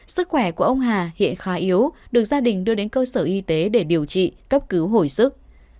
sức khỏe của ông hà hiện khá yếu được gia đình đưa đến cơ sở y tế để điều trị cấp cứu hồi sức